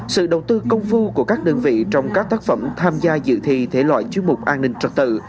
sự đầu tư công phu của các đơn vị trong các tác phẩm tham gia dự thi thể loại chuyên mục an ninh trật tự